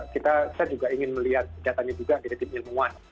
saya juga ingin melihat datanya juga dari tim ilmuwan